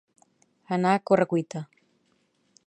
Anar a corre-cuita